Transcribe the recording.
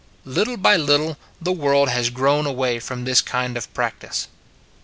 Little by little the world has grown away from this kind of practice.